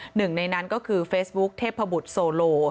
หนึ่งในนั้นก็คือเฟซบุ๊คเทพบุตรโซโล